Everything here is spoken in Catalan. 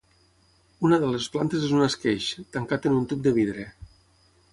Una de les plantes és un esqueix, tancat en un tub de vidre.